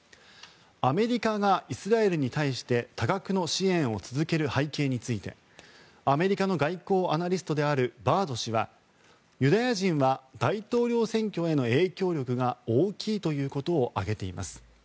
アメリカがイスラエルに対して多額の支援を続ける背景についてアメリカの外交アナリストであるバード氏はユダヤ人は大統領選挙への影響力が大きいということを挙げています。